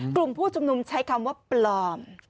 กลุ่มผู้ชุมนุมใช้คำว่าปลอม